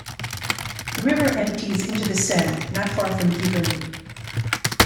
The river empties into the Seine not far from Giverny.